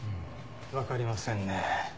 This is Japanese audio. わかりませんね。